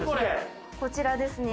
こちらですね